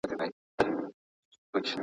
خسرو خان د ځان سره څه ډول پوځ راوړی و؟